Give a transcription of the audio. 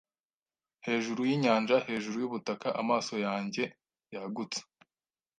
Hejuru yinyanja hejuru yubutaka Amaso yanjye yagutse